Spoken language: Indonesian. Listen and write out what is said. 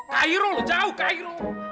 kairu loh jauh kairu